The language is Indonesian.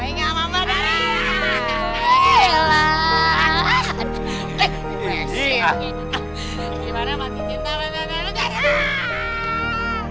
gimana masih cinta sama mbak ndari